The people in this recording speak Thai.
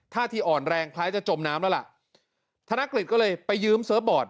ท่าที่อ่อนแรงคล้ายจะจมน้ำแล้วล่ะธนกฤษก็เลยไปยืมเซิร์ฟบอร์ด